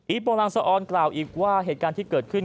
โปรลังสะออนกล่าวอีกว่าเหตุการณ์ที่เกิดขึ้น